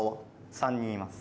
３人います。